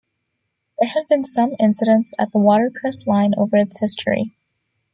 There have been some incidents at the Watercress Line over its history.